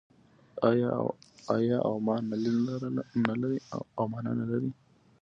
آیا او مانا نلري؟